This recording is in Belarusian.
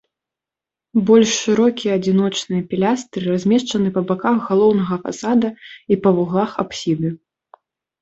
Больш шырокія адзіночныя пілястры размешчаны па баках галоўнага фасада і па вуглах апсіды.